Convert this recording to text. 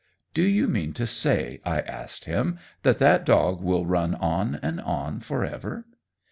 "Do you mean to say," I asked him, "that that dog will run on and on forever?"